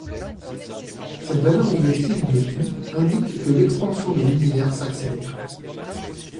Cette valeur négative de q indique que l'expansion de l'univers s'accélère.